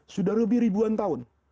sudah lebih ribuan tahun